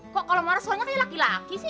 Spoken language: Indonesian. kok kalau marah suaranya kayak laki laki sih